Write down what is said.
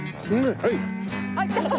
はい！